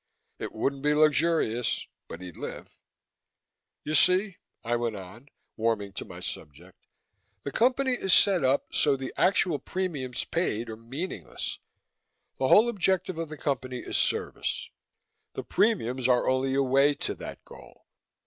It wouldn't be luxurious, but he'd live. "You see," I went on, warming to my subject, "the Company is set up so the actual premiums paid are meaningless. The whole objective of the Company is service; the premiums are only a way to that goal.